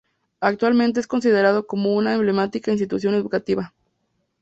Actualmente es considerado como una Emblemática Institución Educativa.